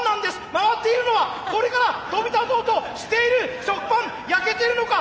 回っているのはこれから飛び立とうとしている食パン！焼けてるのか？